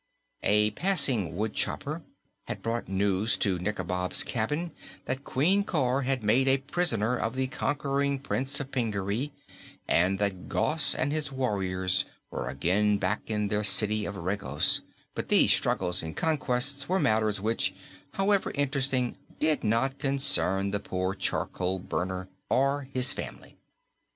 A passing woodchopper had brought news to Nikobob's cabin that Queen Cor had made a prisoner of the conquering Prince of Pingaree and that Gos and his warriors were again back in their city of Regos; but these struggles and conquests were matters which, however interesting, did not concern the poor charcoal burner or his family.